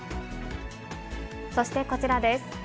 そしてこちらです。